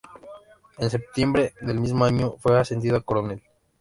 En septiembre del mismo año fue ascendido a Coronel.